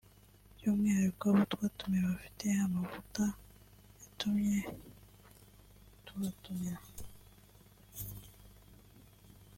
by’umwihariko abo twatumiye bafite amavuta yatumye tubatumira